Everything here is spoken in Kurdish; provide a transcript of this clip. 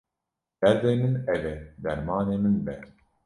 Derdê min ev e, dermanê min be.